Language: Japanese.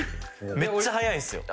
めっちゃ速いんですよ。